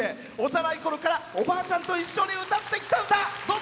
幼いころから、おばあちゃんと一緒に歌ってきた歌。